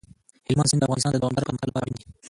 هلمند سیند د افغانستان د دوامداره پرمختګ لپاره اړین دي.